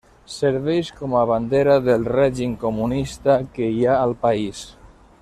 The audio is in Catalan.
Serveix com a bandera del règim comunista que hi ha al país.